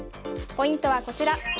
ポイントはこちら。